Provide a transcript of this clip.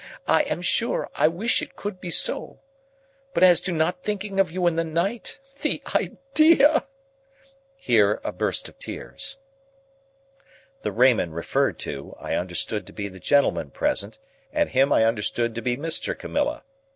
I am sure I wish it could be so. But as to not thinking of you in the night—The idea!" Here, a burst of tears. The Raymond referred to, I understood to be the gentleman present, and him I understood to be Mr. Camilla.